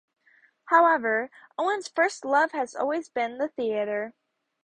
However, Owen's first love has always been the theatre.